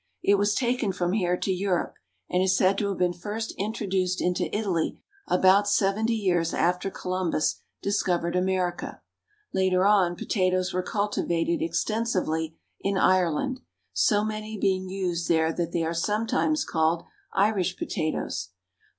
It was taken from here to Europe, and is said to have been first introduced into Italy about seventy years after Columbus discovered America. Later on potatoes were cultivated extensively in Ireland, so many being used there that they are sometimes called Irish potatoes.